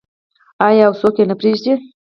آیا او څوک نه پریږدي؟